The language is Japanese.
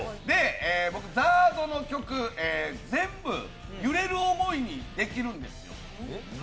僕、ＺＡＲＤの曲、全部「揺れる想い」にできるんです。